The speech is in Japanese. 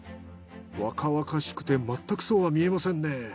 若々しくてまったくそうは見えませんね。